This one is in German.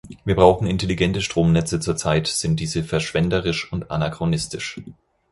Wir brauchen intelligente Stromnetze zurzeit sind diese verschwenderisch und anachronistisch.